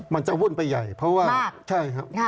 มันจะวุ่นไปใหญ่เพราะว่าใช่ครับ